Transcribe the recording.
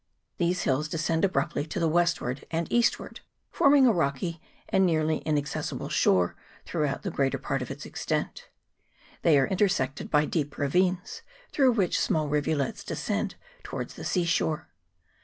These hills descend abruptly to the westward and eastward, forming a rocky and nearly inaccessible shore throughout the greater part of its extent ; they are intersected by deep ra vines, through which small rivulets descend towards the sea shore.